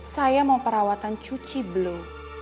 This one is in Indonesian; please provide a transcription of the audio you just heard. saya mau perawatan cuci belum